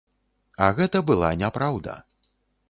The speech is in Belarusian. А гэта была няпраўда.